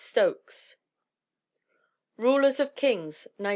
Stokes. Rulers of Kings, 1904.